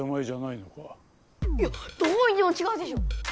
いやどう見てもちがうでしょ！